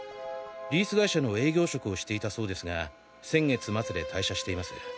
リース会社の営業職をしていたそうですが先月末で退社しています。